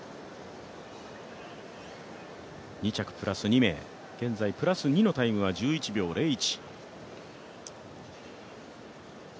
２着プラス２名、現在プラス２のタイムは１１秒０１。